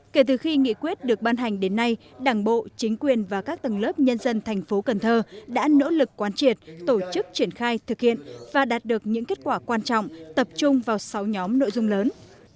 kể từ khi nghị quyết được ban hành đến nay đảng bộ chính quyền và các tầng lớp nhân dân thành phố cần thơ đã nỗ lực quán triệt tổ chức triển khai thực hiện và đạt được những kết quả quan trọng tập trung vào sáu nhóm nội dung lớn